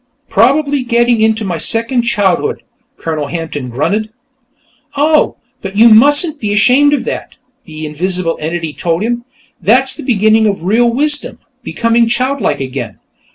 "Probably getting into my second childhood," Colonel Hampton grunted. "Oh, but you mustn't be ashamed of that!" the invisible entity told him. "That's the beginning of real wisdom becoming childlike again.